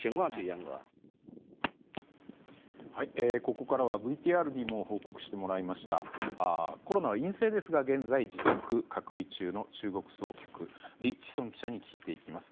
ここからはＶＴＲでも報告してもらいましたコロナは陰性ですが現在、自宅隔離中の中国総局、李志善記者に聞いていきます。